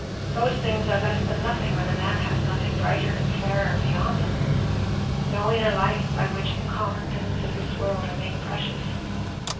Those things are less than nothing when a man has nothing brighter and fairer beyond them no inner life by which the common things of this world are made precious.